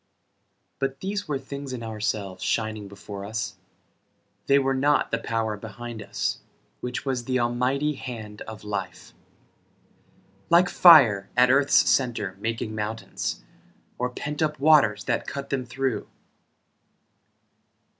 But these were things in ourselves, shining before us, They were not the power behind us, Which was the Almighty hand of Life, Like fire at earth's center making mountains, Or pent up waters that cut them through.